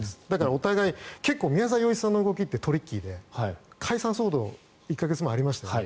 お互い宮沢さんの動きってトリッキーで解散騒動が１か月前にありましたね。